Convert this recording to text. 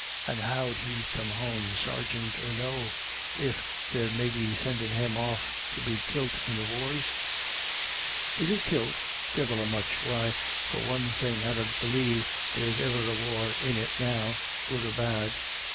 " And how'd he come home, seargint or no, if they're maybe sendin' him off to be kilt in the wars ?"" Is it kilt ? Divil a much ! Why, for one thing, I dunna believe there's e'er a war in it now, good or bad.